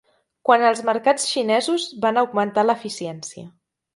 Quan els mercats xinesos van augmentar l'eficiència.